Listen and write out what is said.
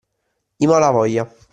I Malavoglia.